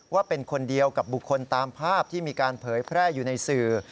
ว่าเป็นคนเดียวกับบุคคลตามภาพที่มีการเผยแพร่อยู่ในสื่อ